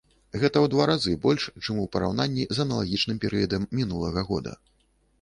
Гэта ў два разы больш у параўнанні з аналагічным перыядам мінулага года.